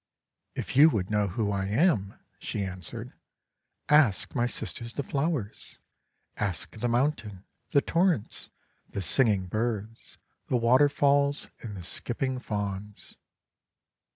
''If you would know who I am," she answered, "ask my sisters the flowers, ask the mountain, the torrents, the singing birds, the waterfalls, and the skipping Fawns."